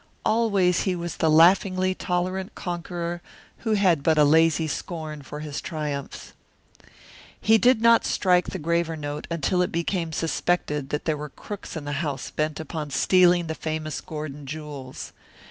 Always he was the laughingly tolerant conqueror who had but a lazy scorn for his triumphs. He did not strike the graver note until it became suspected that there were crooks in the house bent upon stealing the famous Gordon jewels.